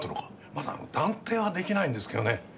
まだ断定は出来ないんですけどね